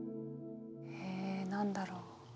え何だろう。